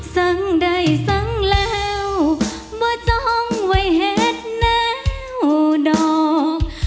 สั่งได้สั่งแล้วมาจ้องไว้เห็นแนวดอก